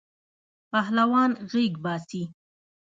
پهلوان غیږ باسی.